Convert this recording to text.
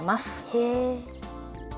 へえ。